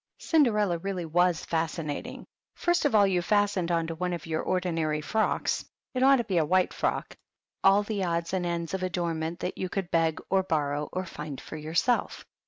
Cinderella really was fascinating. First of all you fastened on to one of your ordinary frocks — it ought to be a white frock — all the odds and ends of adornment that you could beg or borrow or find for yourself.